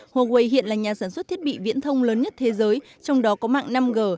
huawei hiện là nhà sản xuất thiết bị viễn thông lớn nhất thế giới trong đó có mạng năm g